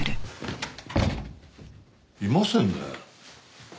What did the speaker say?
いませんね。